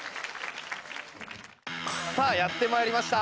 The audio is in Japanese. さあやってまいりました。